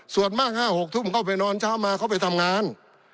ส่วนมาก๕๖ทุ่มเข้าไปนอนเช้ามาเขาไปทำงาน